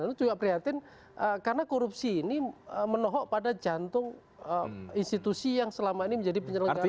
lalu juga prihatin karena korupsi ini menohok pada jantung institusi yang selama ini menjadi penyelenggara